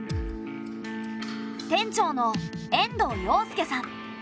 店長の遠藤洋亮さん。